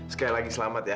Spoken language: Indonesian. sekali lagi selamat ya